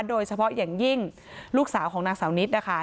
โดยเฉพาะอย่างยิ่งลูกสาวของนางสาวนิดนะคะ